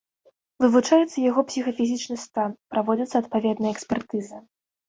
Вывучаецца яго псіхафізічны стан, праводзяцца адпаведныя экспертызы.